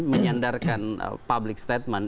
menyandarkan public statement